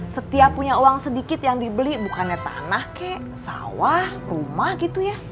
setiap punya uang sedikit yang dibeli bukannya tanah kek sawah rumah gitu ya